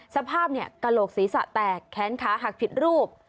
สภาพกระโหลกศีรษะแตกแขนขาหักผิดรูป